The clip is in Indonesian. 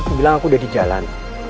bilang aku udah di jalan